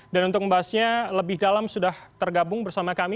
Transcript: dan untuk membahasnya lebih dalam sudah tergabung bersama kami